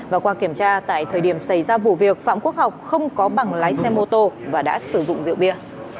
và qua kiểm tra tại thời điểm xảy ra vụ việc phạm quốc học không có bằng lái xe mô tô và đã sử dụng rượu bia